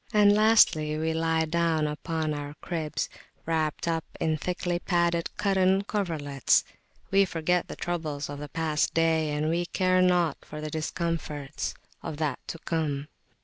And lastly, we lie down upon our cribs, wrapped up in thickly padded cotton coverlets; we forget the troubles of the past day, and we care nought for the discomforts of that to come.